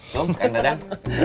kom kang dadang